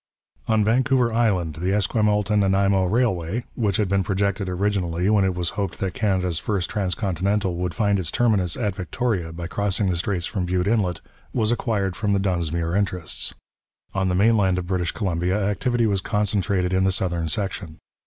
On Vancouver Island, the Esquimalt and Nanaimo Railway, which had been projected originally when it was hoped that Canada's first transcontinental would find its terminus at Victoria by crossing the straits from Bute Inlet, was acquired from the Dunsmuir interests. On the mainland of British Columbia activity was concentrated in the southern section.